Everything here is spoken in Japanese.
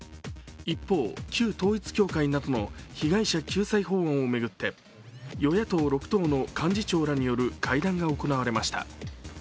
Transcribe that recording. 一方、旧統一教会などの被害者救済法案を巡って与野党６党の幹事長らによる会談が行われました。